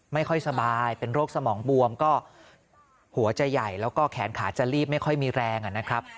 ไม่ค่อยสบายเป็นโรคสมองบวมก็หัวจะใหญ่แล้วก็แขนขาจะลีบไม่ค่อยมีแรงนะครับ